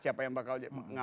siapa yang bakal